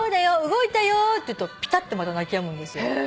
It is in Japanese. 動いたよって言うとぴたってまた泣きやむんですよ。